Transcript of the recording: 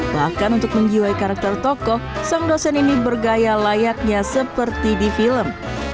bahkan untuk menjiwai karakter tokoh sang dosen ini bergaya layaknya seperti di film